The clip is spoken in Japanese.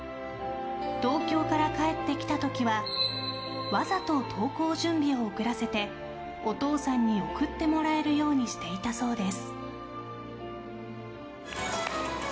東京から帰ってきた時はわざと登校準備を遅らせてお父さんに送ってもらえるようにしていたそうです。